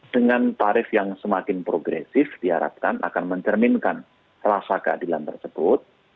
dengan tarif yang semakin progresif diharapkan akan mencerminkan rasa keadilan tersebut